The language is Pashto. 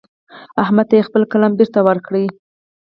احمد ته يې خپل قلم بېرته ورکړ.